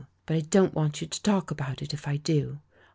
But I don't want you to talk about it, if I do.